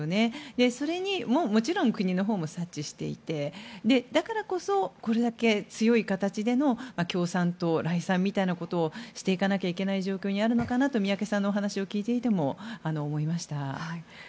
それを、国も察知していてだからこそこれだけ強い形での共産党礼賛みたいなことをしていかないといけない状況にあるのかなと宮家さんのお話を聞いていても思いました。